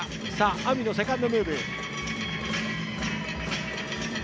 ＡＭＩのセカンドムーブ。